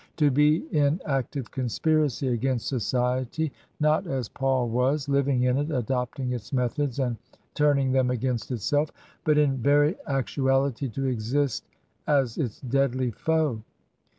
To be in active conspiracy against society — not as Paul i64 TRANSITION. was, living in it, adopting its methods and turning them against itself — but in very actuality to exist as its deadly foe